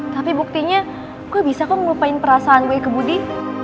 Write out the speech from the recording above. tapi buktinya kok bisa kok melupain perasaan gue ke budi